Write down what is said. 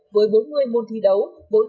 với bốn mươi môn thi đấu